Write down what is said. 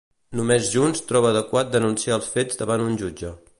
Només Junts troba adequat denunciar els fets davant un jutge.